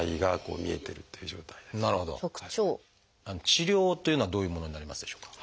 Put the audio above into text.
治療というのはどういうものになりますでしょうか？